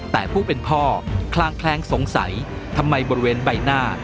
แต่ผู้เป็นพ่อคลางแคลงสงสัยทำไมบริเวณใบหน้า